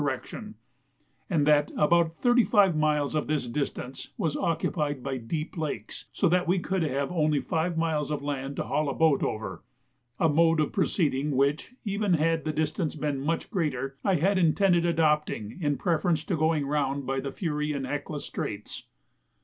direction, and that about thirty five miles of this distance was occupied by deep lakes; so that we would have only five miles of land to haul a boat over a mode of proceeding which, even had the distance been much greater, I had intended adopting, in preference to going round by the Fury and Hecla Straits.